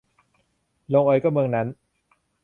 เมื่อเอยก็เมื่อนั้น